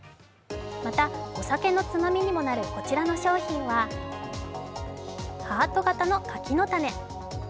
また、お酒のつまみにもなるこちらの商品は、ハート形の柿の種。